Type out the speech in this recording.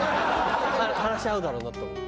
話合うだろうなと思って。